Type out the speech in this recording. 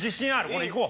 これいこう。